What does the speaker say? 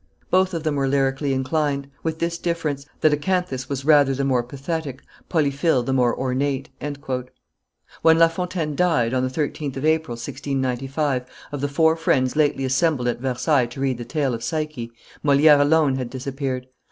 Both of them were lyrically inclined, with this difference, that Acanthus was rather the more pathetic, Polyphile the more ornate." When La Fontaine died, on the 13th of April, 1695, of the four friends lately assembled at Versailles to read the tale of Psyche, Moliere alone had disappeared.